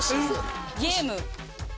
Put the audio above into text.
ゲーム。